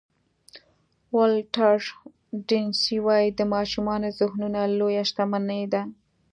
ولټر ډیسني وایي د ماشومانو ذهنونه لویه شتمني ده.